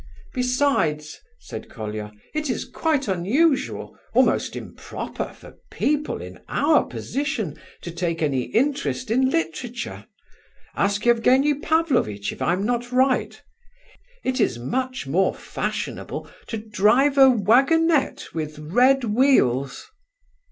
"Besides," said Colia, "it is quite unusual, almost improper, for people in our position to take any interest in literature. Ask Evgenie Pavlovitch if I am not right. It is much more fashionable to drive a waggonette with red wheels."